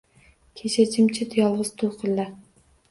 Kecha jim-jit, yolg’iz to’lqinlar